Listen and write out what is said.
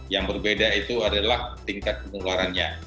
yang berbeda itu adalah tingkat penularannya